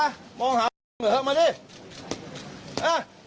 หมองหาเนี่ย๋วมาดี้